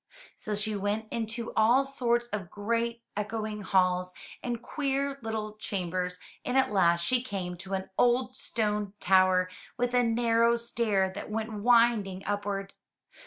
So she went into all sorts of great, echoing halls and queer little chambers, and at last she came to an old stone tower, with a narrow stair that went winding upward.